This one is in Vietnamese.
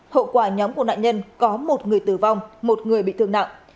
hậu quả nhóm của nạn nhân có một người tử vong một người bị thương nặng